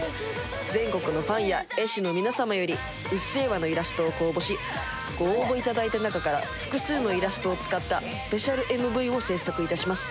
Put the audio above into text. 全国のファンや絵師の皆様より「うっせぇわ」のイラストを応募しご応募いただいた中から複数のイラストを使ったスペシャルＭＶを制作いたします。